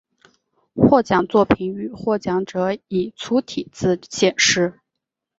获奖作品与获奖者以粗体字显示。